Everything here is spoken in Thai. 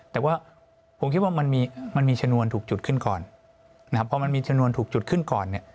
แต่ว่าผมคิดว่ามันมีชนวนถูกจุดขึ้นก่อนนะครับพอมันมีชนวนถูกจุดขึ้นก่อนเนี่ย